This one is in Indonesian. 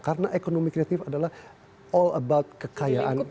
karena ekonomi kreatif adalah all about kekayaan